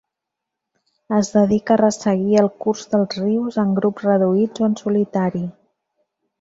Es dedica a resseguir el curs dels rius, en grups reduïts o en solitari.